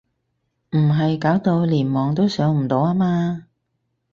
唔係搞到連網都上唔到呀嘛？